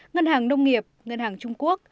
ngân hàng nông nghiệp ngân hàng trung quốc